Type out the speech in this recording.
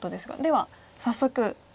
では早速。